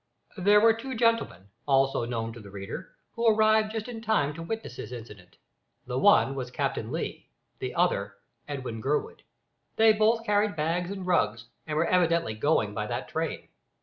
There were two gentlemen also known to the reader who arrived just in time to witness this incident: the one was Captain Lee, the other Edwin Gurwood. They both carried bags and rugs, and were evidently going by that train.